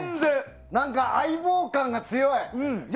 何か相棒感が強い。